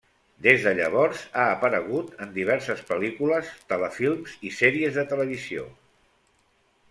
Des de llavors, ha aparegut en diverses pel·lícules, telefilms i sèries de televisió.